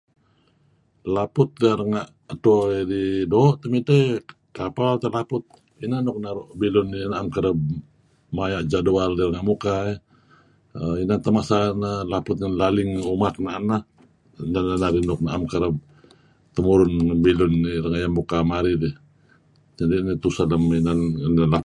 Laput tieh renga' dto dih doo' temidteh dih kapal teh laput ineh nuk naru' bilun nuk naem kereb maya' jadual deh muka iih. (m) Inan teh masa neh laput laling umak naen nah . Neh naru' narih naem kereb temurun lem bilun dih. renga' iyeh muka marih dih kadi' neh tuseh lem inan lah .